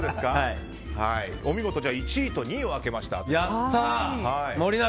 お見事１位と２位を当てました。